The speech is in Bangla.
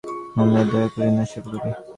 আমরা দয়া করি না, সেবা করি।